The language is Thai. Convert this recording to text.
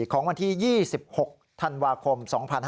ของวันที่๒๖ธันวาคม๒๕๕๙